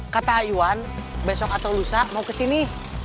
kata ayuan besok atau lusa mau kesini